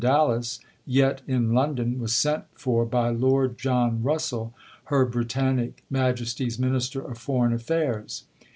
Dallas, yet in London, was sent for by Lord John Rus sell, her Britannic Majesty's Minister of Foreign Affairs.